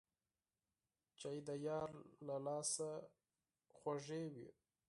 چای د یار له لاسه خوږ وي